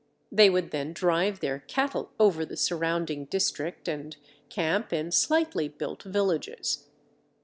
They would then drive their cattle over the surrounding district, and camp in slightly built villages.